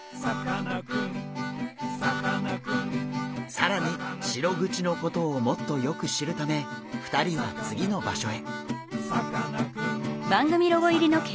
更にシログチのことをもっとよく知るため２人は次の場所へ。